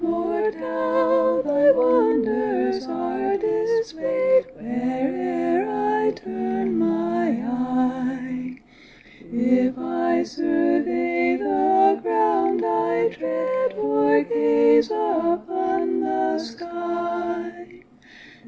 Lord, how Thy wonders are displayed, where'er I turn my eye, If I survey the ground I tread, or gaze upon the sky.